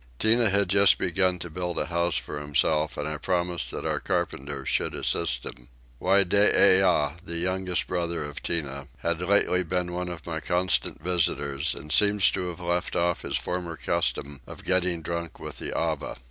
Tinah had just begun to build a house for himself and I promised that our carpenters should assist him. Whydooah, the youngest brother of Tinah, had lately been one of my constant visitors and seemed to have left off his former custom of getting drunk with the Ava.